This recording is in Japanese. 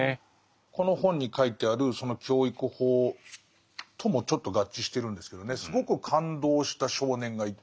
この本に書いてあるその教育法ともちょっと合致してるんですけどねすごく感動した少年がいて。